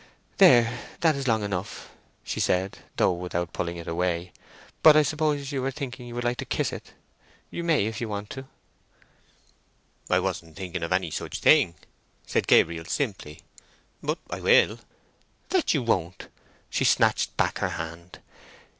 "There—that's long enough," said she, though without pulling it away. "But I suppose you are thinking you would like to kiss it? You may if you want to." "I wasn't thinking of any such thing," said Gabriel, simply; "but I will—" "That you won't!" She snatched back her hand.